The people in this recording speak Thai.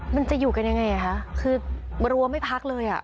มันจะอยู่กันยังไงคะคือรัวไม่พักเลยอ่ะ